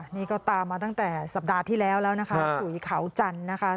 นี่ก็ตามมาตั้งแต่สัปดาห์ที่แล้วแล้วนะคะถุยเขาจันทร์นะคะ